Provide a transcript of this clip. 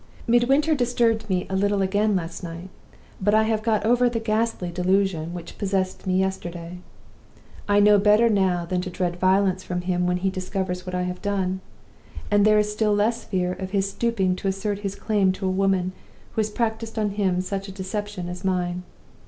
"Midwinter disturbed me a little again last night; but I have got over the ghastly delusion which possessed me yesterday. I know better now than to dread violence from him when he discovers what I have done. And there is still less fear of his stooping to assert his claim to a woman who has practiced on him such a deception as mine.